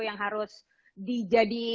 yang harus dijadi